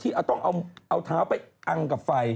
ต้องเอาเท้าไปอังกับไฟ